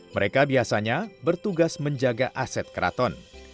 mereka biasanya bertugas menjaga aset keraton